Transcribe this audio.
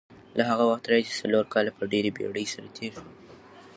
له هغه وخته راهیسې څلور کاله په ډېرې بېړې تېر شول.